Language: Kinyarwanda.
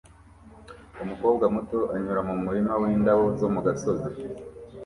Umukobwa muto anyura mu murima windabyo zo mu gasozi